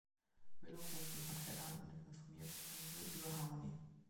Willow ruft im Hotel an und informiert Angel über Harmony.